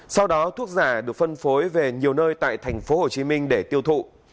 sau đó thuốc giả được phân phối về nhiều nơi tại tp hcm để tiêu thụ